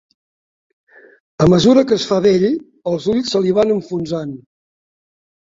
A mesura que es fa vell, els ulls se li van enfonsant.